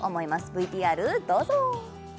ＶＴＲどうぞ！